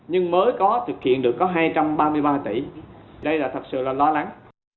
nhưng mới có thực hiện được có hai trăm ba mươi ba tỷ đây là thật sự là lo lắng